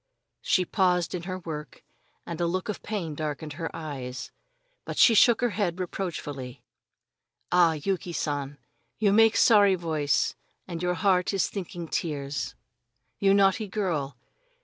She paused in her work, and a look of pain darkened her eyes, but she shook her head reproachfully. "Ah, Yuki San, you make sorry voice and your heart is thinking tears. You naughty girl!